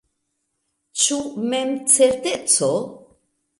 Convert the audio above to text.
Ĉu memcerteco?